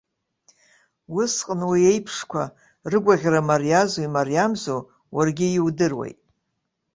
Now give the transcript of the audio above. Усҟан уи аиԥшқәа рыгәаӷьра мариазу-имариамзу уаргьы иудыруеит.